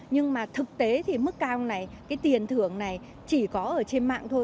nhưng mà thực tế thì mức cao này cái tiền thưởng này chỉ có ở trên mạng thôi